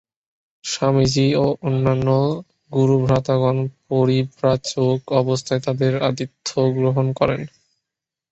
স্বামীজী ও অন্যান্য গুরুভ্রাতাগণ পরিব্রাজক অবস্থায় তাঁহার আতিথ্য গ্রহণ করেন।